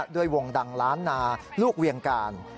ด้วยวงดังล้านนาลูกเวียงการ